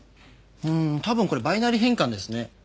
うーん多分これバイナリ変換ですね。